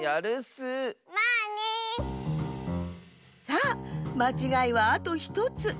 さあまちがいはあと１つ。